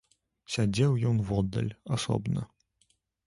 Сядзеў ён воддаль, асобна.